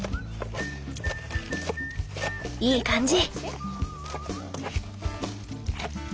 いい感じ。